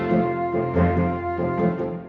ustadz ibuan dan ustadz iqtar